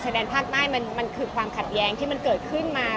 แดนภาคใต้มันคือความขัดแย้งที่มันเกิดขึ้นมา